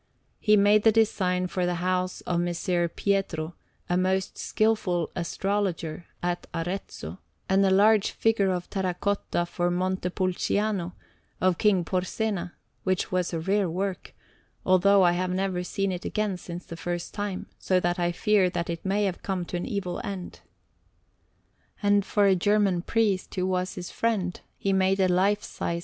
He made the design for the house of Messer Pietro, a most skilful astrologer, at Arezzo; and a large figure of terra cotta for Montepulciano, of King Porsena, which was a rare work, although I have never seen it again since the first time, so that I fear that it may have come to an evil end. And for a German priest, who was his friend, he made a lifesize S.